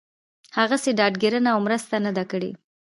هغسې ډاډ ګيرنه او مرسته نه ده کړې